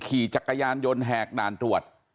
ขี่จักรยานยนต์แหกด่านตรวจ